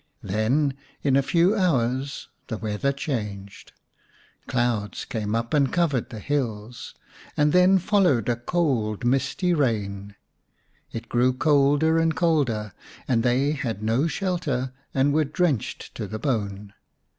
Then in a few hours the weather changed. Clouds came up and covered the hills ; and then followed a cold misty rain. It grew colder and colder, and they had no shelter and were drenched to the bone.